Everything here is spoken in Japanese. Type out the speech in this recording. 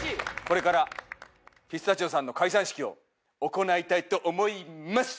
これからピスタチオさんの解散式を行いたいと思います！